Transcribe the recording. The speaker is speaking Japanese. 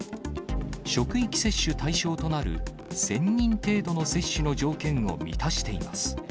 職域接種対象となる１０００人程度の接種の条件を満たしています。